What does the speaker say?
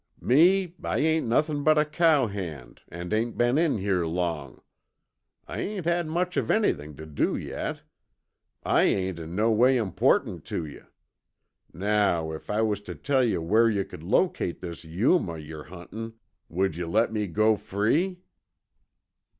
"Me, I ain't nothin' but a cowhand an' ain't been in here long. I ain't had much of anything tuh do yet. I ain't no way important tuh you. Now, if I was tuh tell yuh where you could locate this Yuma yer huntin', would yuh let me go free?"